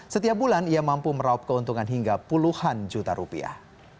setiap bulan ia mampu meraup keuntungan hingga puluhan juta rupiah